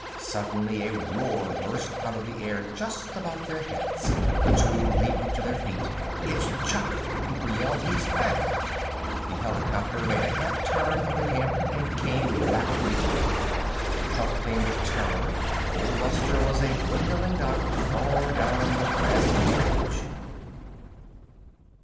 Suddenly a roar burst out of the air just above their heads. The two leaped to their feet. "It's Chuck!" Cooper yelled. "He's back!" The helicopter made a half turn of the camp and came rapidly to Earth. Trumpeting with terror, Old Buster was a dwindling dot far down the grassy ridge.